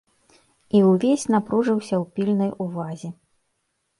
І ўвесь напружыўся ў пільнай увазе.